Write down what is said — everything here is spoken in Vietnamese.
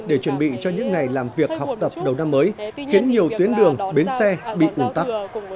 để chuẩn bị cho những ngày làm việc học tập đầu năm mới khiến nhiều tuyến đường bến xe bị ủn tắc